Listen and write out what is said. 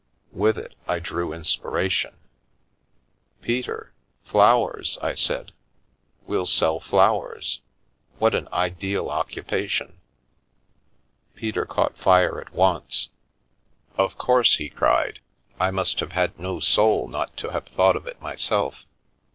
With it I drew inspiration. " Peter ! Flowers !" I said, " we'll sell flowers. What an ideal occupation !" Peter caught fire at once. The Milky Way " Of course !" he cried, " I must have had no soul not to have thought of it myself.